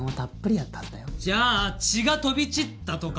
じゃあ血が飛び散ったとか。